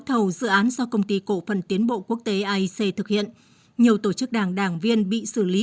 thầu dự án do công ty cổ phần tiến bộ quốc tế aic thực hiện nhiều tổ chức đảng đảng viên bị xử lý